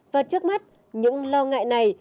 và trước mắt những lo ngại này